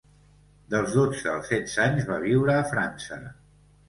Dels dotze als setze anys va viure a França.